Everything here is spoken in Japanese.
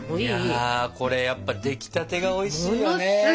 いやこれやっぱ出来たてがおいしいよね。